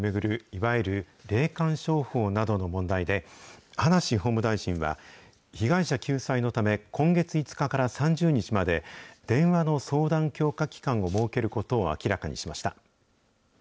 いわゆる霊感商法などの問題で、葉梨法務大臣は、被害者救済のため、今月５日から３０日まで、電話の相談強化期間を設けることを明らかにしました。